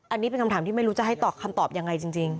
อันนี้เป็นคำถามที่ไม่รู้จะให้ตอบคำตอบยังไงจริง